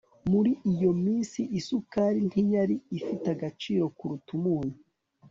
Muri iyo minsi isukari ntiyari ifite agaciro kuruta umunyu